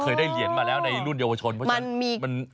ได้เหรียญมาแล้วในรุ่นเยาวชนเพราะฉะนั้น